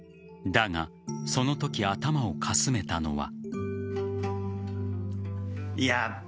だが、その時頭をかすめたのは。